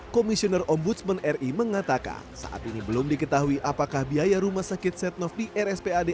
komisioner ombudsman ri mengatakan saat ini belum diketahui apakah biaya rumah sakit setnov di rspad